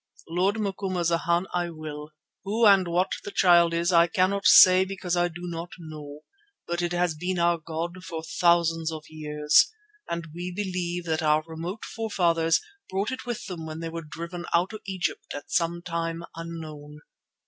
"Lord Macumazana, I will. Who and what the Child is I cannot say because I do not know. But it has been our god for thousands of years, and we believe that our remote forefathers brought it with them when they were driven out of Egypt at some time unknown.